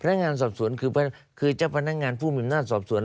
นักงานสอบสวนคือเจ้าพนักงานผู้มีอำนาจสอบสวน